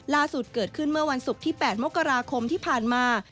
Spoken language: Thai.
ล่าสุดเกิดขึ้นเมื่อวันศุกร์ที่๘มกราคมที่ผ่านมา